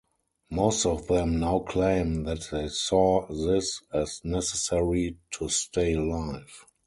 Most of them now claim that they saw this as necessary to stay alive.